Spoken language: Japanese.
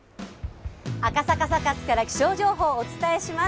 赤坂サカスから気象情報をお伝えします。